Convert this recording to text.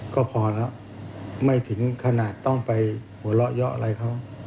ก็พอแล้วไม่ถึงขนาดต้องไปหัวเราะเยาะอะไรเขา